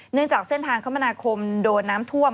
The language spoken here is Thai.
เนื่องจากเส้นทางขมยนโดนน้ำท่วม